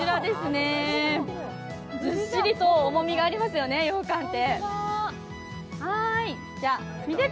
ずっしりと重みがありますよね、羊羹って。